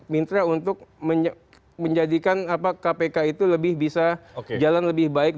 mitra untuk menjadikan kpk itu lebih bisa jalan lebih baik